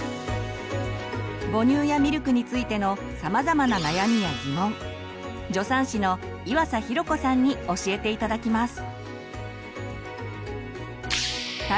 母乳やミルクについてのさまざまな悩みやギモン助産師の岩佐寛子さんに教えて頂きます。